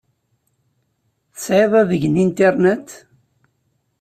Tesɛiḍ adeg n Internet?